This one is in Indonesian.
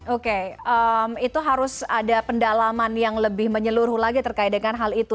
oke itu harus ada pendalaman yang lebih menyeluruh lagi terkait dengan hal itu